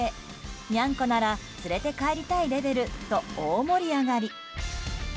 にゃんこなら連れて帰りたいレベルと大盛り上がり。